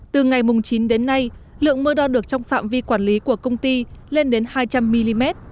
từ ngày chín đến nay lượng mưa đo được trong phạm vi quản lý của công ty lên đến hai trăm linh mm